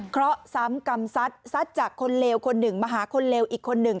เพราะซ้ำกรรมซัดซัดจากคนเลวคนหนึ่งมาหาคนเลวอีกคนหนึ่ง